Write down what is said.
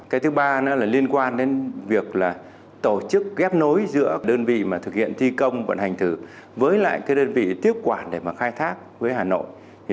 cái thứ ba nữa là liên quan đến việc tổ chức kết nối giữa đơn vị mà thực hiện thi công vận hành thử với lại cái đơn vị tiếp quản để khai thác với hà nội